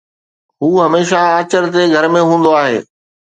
هو هميشه آچر تي گهر ۾ هوندو آهي.